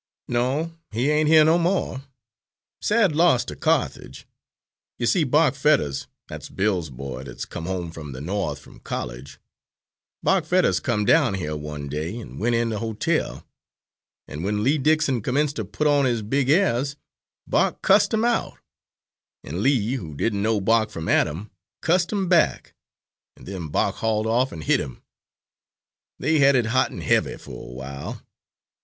"No, he ain't here no more. Sad loss to Carthage! You see Bark Fetters that's Bill's boy that's come home from the No'th from college Bark Fetters come down here one day, an' went in the ho tel, an' when Lee Dickson commenced to put on his big airs, Bark cussed 'im out, and Lee, who didn't know Bark from Adam, cussed 'im back, an' then Bark hauled off an' hit 'im. They had it hot an' heavy for a while.